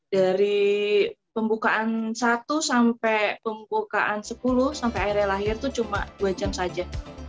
dari pembukaan satu sampai pembukaan sepuluh sampai airnya lahir itu cuma dua jam saja